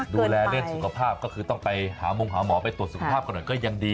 ดูแลเรื่องสุขภาพก็คือต้องไปหามงหาหมอไปตรวจสุขภาพกันหน่อยก็ยังดี